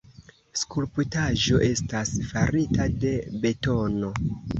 Skulptaĵo estas farita de betono.